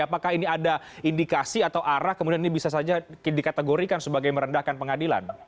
apakah ini ada indikasi atau arah kemudian ini bisa saja dikategorikan sebagai merendahkan pengadilan